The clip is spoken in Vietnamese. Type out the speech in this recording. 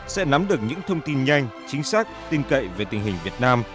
tìm được những thông tin nhanh chính xác tin cậy về tình hình việt nam